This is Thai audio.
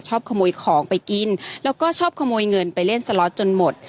ขโมยของไปกินแล้วก็ชอบขโมยเงินไปเล่นสล็อตจนหมด